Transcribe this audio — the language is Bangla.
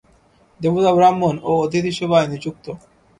দেবতা ব্রাহ্মণ ও অতিথি-সেবায় নিযুক্ত।